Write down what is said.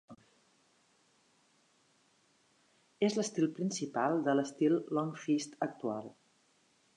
És l'estil principal de l'estil Long Fist actual.